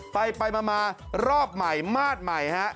ไปมารอบใหม่มาดใหม่ฮะ